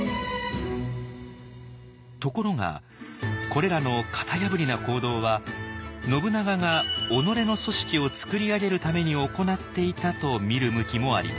ところがこれらの型破りな行動は信長が己の組織をつくり上げるために行っていたと見る向きもあります。